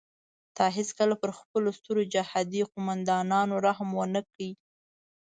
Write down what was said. تا هیڅکله پر خپلو سترو جهادي قوماندانانو رحم ونه کړ.